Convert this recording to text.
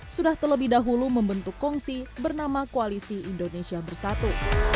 sudah terlebih dahulu membentuk kongsi bernama koalisi indonesia bersatu